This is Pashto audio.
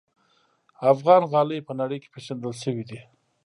افغان غالۍ په نړۍ کې پېژندل شوي دي.